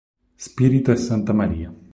Spirito e S. Maria.